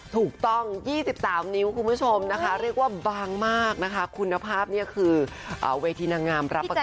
ถูกต้อง๒๓นิ้วคุณผู้ชมนะคะเรียกว่าบางมากนะคะคุณภาพเนี่ยคือเวทีนางงามรับประกัน